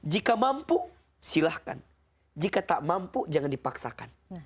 jika mampu silahkan jika tak mampu jangan dipaksakan